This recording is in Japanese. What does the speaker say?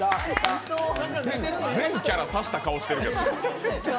全キャラ足した顔してるけど。